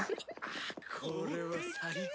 これは最高！